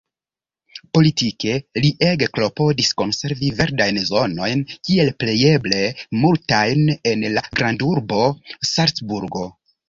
Politike li ege klopodis konservi verdajn zonojn kiel plejeble multajn en la grandurbo Salcburgo.